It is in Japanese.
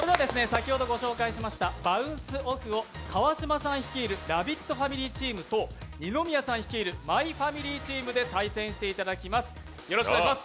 先ほど御紹介しました「バウンス・オフ！」を川島さん率いるラヴィットファミリーチームと二宮さん率いるマイファミリーチームで対戦していただきます。